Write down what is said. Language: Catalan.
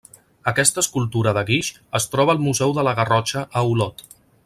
Aquesta escultura de guix es troba al Museu de la Garrotxa, a Olot.